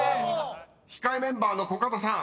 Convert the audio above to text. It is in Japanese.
［控えメンバーのコカドさん